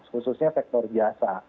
khususnya sektor biasa